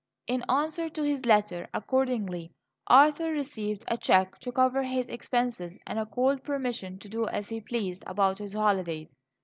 In answer to his letter, accordingly, Arthur received a cheque to cover his expenses and a cold permission to do as he pleased about his holidays.